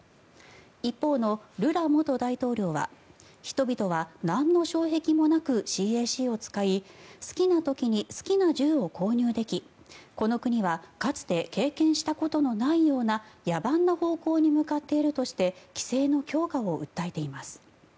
一方のルラ元大統領は、人々はなんの障壁もなくＣＡＣを使い好きな時に好きな銃を購入できこの国はかつて経験したことのないような野蛮な方向に向かっているとして規制の強化を訴えています。